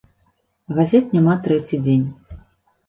Газет няма трэці дзень.